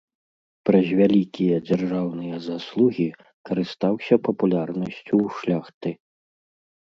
Праз вялікія дзяржаўныя заслугі карыстаўся папулярнасцю ў шляхты.